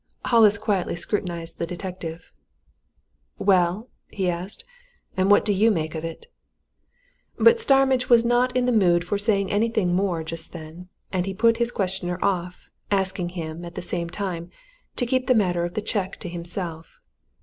Hollis quietly scrutinized the detective. "Well?" he asked. "And what do you make of it?" But Starmidge was not in the mood for saying anything more just then, and he put his questioner off, asking him, at the same time, to keep the matter of the cheque to himself.